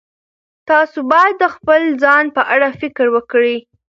تاسو باید د خپل ځان په اړه فکر وکړئ.